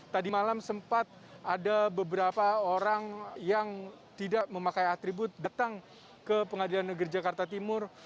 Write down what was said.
tadi malam sempat ada beberapa orang yang tidak memakai atribut datang ke pengadilan negeri jakarta timur